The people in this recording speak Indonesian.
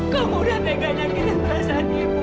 kamu udah teganya kirim perasaan ibu